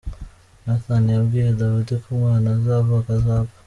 Nathan yabwiye Dawudi ko umwana uzavuka azapfa.